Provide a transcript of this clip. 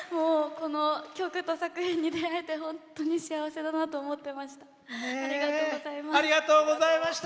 この曲と作品に出会えて本当に幸せだなと思っていました。